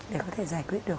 để có thể giải quyết được